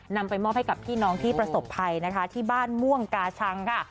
นำไปมอบให้กับพี่น้องที่ประสบภัยนะคะที่บ้านม่วงกาชังค่ะ